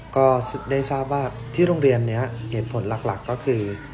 ก็ได้ทราบว่าที่โรงเรียนนี้เหตุผลหลักก็คือ